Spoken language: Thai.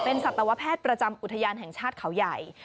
สัตวแพทย์ประจำอุทยานแห่งชาติเขาใหญ่